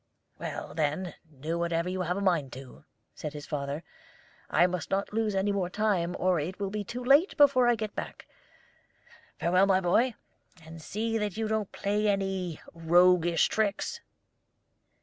"Well, then, do whatever you have a mind to," said his father. "I must not lose any more time, or it will be too late before I get back. Farewell, my boy, and see that you don't play any roguish tricks."